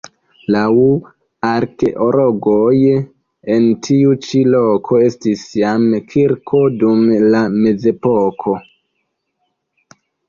Laŭ arkeologoj en tiu ĉi loko estis jam kirko dum la mezepoko.